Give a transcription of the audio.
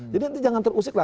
jadi nanti jangan terusik lah